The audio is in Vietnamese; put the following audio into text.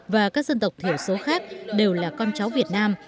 và các dân tộc thiểu số khác đều là con cháu việt nam